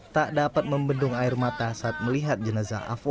tak dapat membendung air mata saat melihat jenazah affor